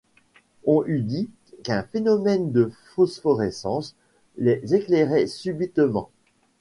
On eût dit qu’un phénomène de phosphorescence les éclairait subitement.